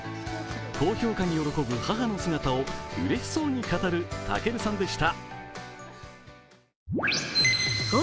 高評価に喜ぶ母の姿をうれしそうに語る健さんでした。